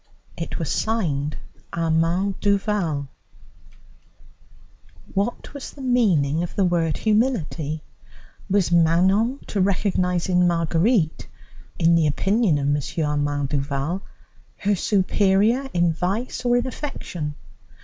It was signed Armand Duval. What was the meaning of the word Humility? Was Manon to recognise in Marguerite, in the opinion of M. Armand Duval, her superior in vice or in affection?